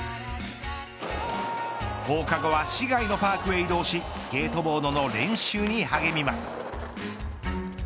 放課後は市外のパークへ移動しスケートボードの練習に励みます。